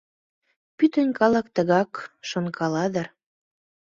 Пӱтынь калык тыгак шонкала дыр.